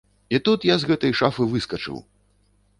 І тут я з гэтай шафы выскачыў!